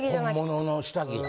本物の下着や。